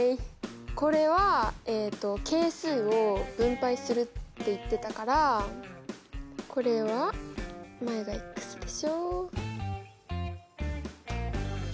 これはえっと「係数を分配する」って言ってたからこれは前がでしょ？